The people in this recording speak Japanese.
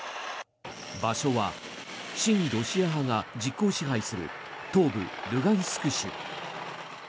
場所は親ロシア派が実効支配する東部ルガンスク州。